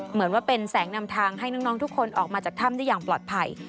เหมือนว่าเป็นแสงนำทางให้น้องทุกคนออกมาจากถ้ำได้อย่างปลอดภัย